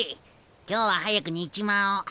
今日は早く寝ちまおう。